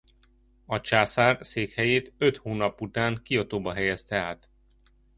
A császár székhelyét öt hónap után Kiotóba helyezte át.